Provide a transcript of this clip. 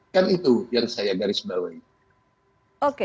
kan itu yang saya garis bawah itu